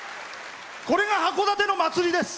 これが函館の「まつり」です。